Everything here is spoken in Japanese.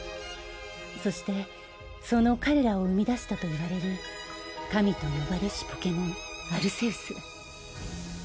そしてその彼らを生み出したといわれる神と呼ばれしポケモンアルセウス。